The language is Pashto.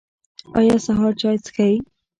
ایا سهار چای څښئ؟